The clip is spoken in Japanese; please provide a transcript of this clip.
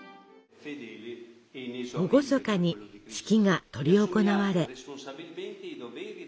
厳かに式が執り行われ。